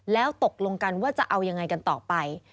แล้วตกลงกันว่าจะเอายังไงกันต่อไป